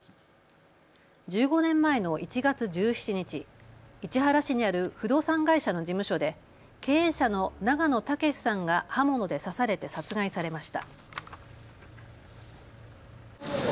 １５年前の１月１７日、市原市にある不動産会社の事務所で経営者の永野武さんが刃物で刺されて殺害されました。